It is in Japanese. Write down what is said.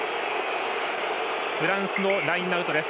フランスのラインアウトです。